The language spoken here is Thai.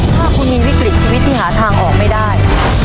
ถ้าคุณมีวิกฤตชีวิตที่หาทางออกไม่ได้